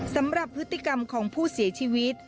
สำหรับพฤติกรรมของผู้เสียชีวิต